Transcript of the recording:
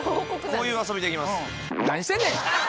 こういう遊びできます。